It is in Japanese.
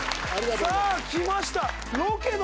さぁ来ました！